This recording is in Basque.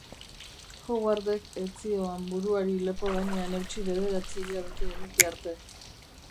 Howardek ez zioan buruari lepo gainean eutsi bederatzi hilabete eduki arte.